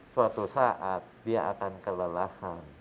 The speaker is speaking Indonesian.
suatu saat dia akan kelelahan